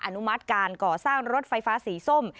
อนุมัติการก่อสร้างรถไฟฟ้าสีส้ม